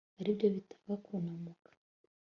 ari byo bitaga kunamuka